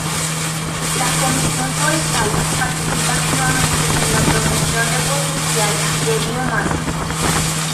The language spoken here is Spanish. La Comisión Forestal participa activamente en la promoción del potencial de biomasa.